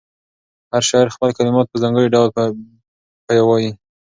هر شاعر خپل کلمات په ځانګړي ډول پیوياي.